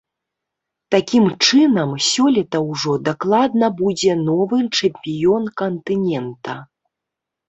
Такім чынам, сёлета ўжо дакладна будзе новы чэмпіён кантынента.